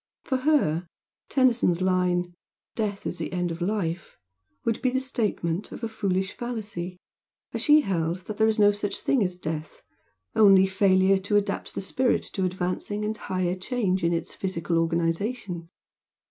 For her Tennyson's line "Death is the end of life" would be the statement of a foolish fallacy, as she held that there is no such thing as death, only failure to adapt the spirit to advancing and higher change in its physical organisation.